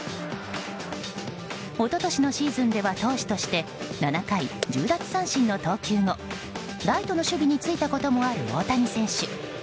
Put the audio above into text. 一昨年のシーズンでは投手として７回１０奪三振の投球後ライトの守備についたこともある大谷選手。